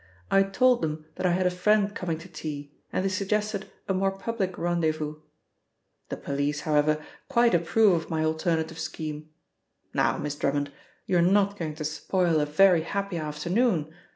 I told them that I had a friend coming to tea, and they suggested a more public rendezvous. The police, however, quite approve of my alternative scheme. Now, Miss Drummond, you are not going to spoil a very happy afternoon?